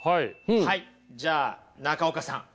じゃあ中岡さん